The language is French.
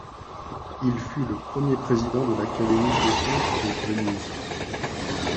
Il fut le premier président de l'Académie des peintres de Venise.